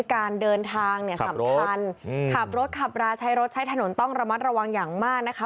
การเดินทางเนี่ยสำคัญขับรถขับราใช้รถใช้ถนนต้องระมัดระวังอย่างมากนะคะ